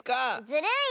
ずるい！